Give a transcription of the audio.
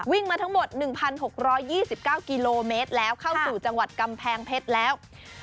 มาทั้งหมด๑๖๒๙กิโลเมตรแล้วเข้าสู่จังหวัดกำแพงเพชรแล้ว